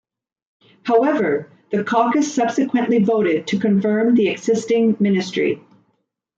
However, the caucus subsequently voted to confirm the existing ministry.